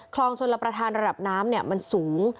คลองชนรับประทานระดับน้ำมันสูง